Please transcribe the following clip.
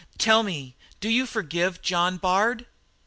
Tell me; do you forgive John Bard?"